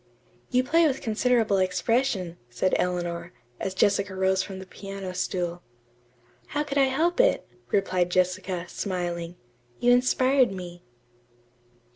"You play with considerable expression," said Eleanor, as Jessica rose from the piano stool. "How could I help it?" replied Jessica, smiling. "You inspired me."